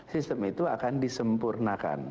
sistem itu akan disempurnakan